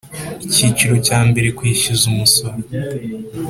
Icyiciro cya mbere Kwishyuza umusoro